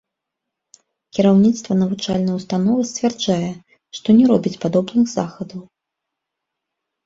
Кіраўніцтва навучальнай установы сцвярджае, што не робіць падобных захадаў.